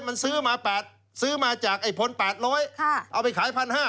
มันซื้อมาแปดซื้อมาจากไอ้พลแปดร้อยค่ะเอาไปขายพันห้า